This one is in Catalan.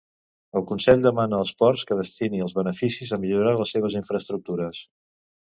El Consell demana als ports que destini els beneficis a millorar les seves infraestructures